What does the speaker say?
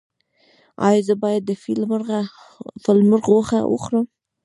ایا زه باید د فیل مرغ غوښه وخورم؟